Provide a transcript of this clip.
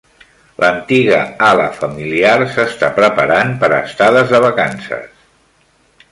L'antiga ala familiar s'està preparant per a estades de vacances.